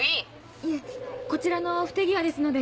いえこちらの不手際ですので。